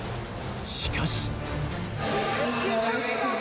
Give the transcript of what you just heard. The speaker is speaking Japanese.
しかし。